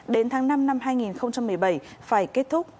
đến tháng năm năm hai nghìn một mươi bảy phải kết thúc